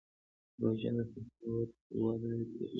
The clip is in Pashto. روژه د سخاوت وده کوي.